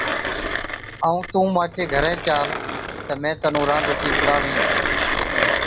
ائُون تُون مانڇي گھرين چال تہ مين تنُون رانڌتِي کُڙاوَين۔